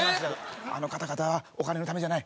「あの方々はお金のためじゃない」。